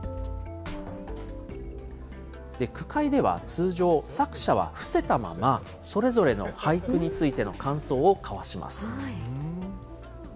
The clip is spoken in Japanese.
句会では通常、作者は伏せたまま、それぞれの俳句についての感想を交わします。